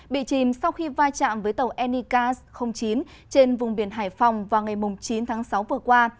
bị chìm sau khi vai trạm với tàu enigas chín trên vùng biển hải phòng vào ngày chín tháng sáu vừa qua